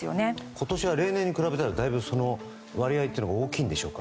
今年は例年に比べたら割合が大きいんでしょうか？